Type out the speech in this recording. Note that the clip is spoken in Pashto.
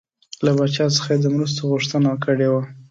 له پاچا څخه یې د مرستو غوښتنه کړې وه.